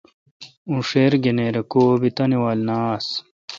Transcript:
اوں ݭیر گنیر کو بی تانے وال ن آس۔